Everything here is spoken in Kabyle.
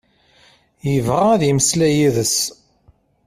Yebɣa ad yemmeslay yid-s.